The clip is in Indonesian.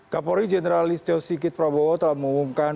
kapolri jenderal listio sikit prabowo telah mengumumkan